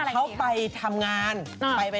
ชอบแกะอันนี้